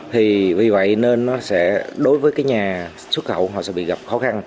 thì vì vậy nên nó sẽ đối với cái nhà xuất khẩu họ sẽ bị gặp khó khăn